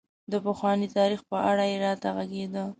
د پخواني تاريخ په اړه یې راته غږېده.